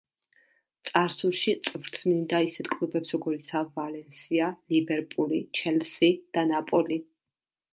წარსულში წვრთნიდა ისეთ კლუბებს, როგორიცაა „ვალენსია“, „ლივერპული“, „ჩელსი“ და „ნაპოლი“.